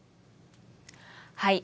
はい。